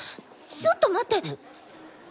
ちょっと待って。